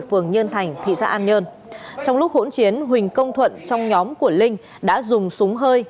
phường nhân thành thị xã an nhơn trong lúc hỗn chiến huỳnh công thuận trong nhóm của linh đã dùng súng hơi